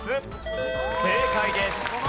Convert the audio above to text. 正解です。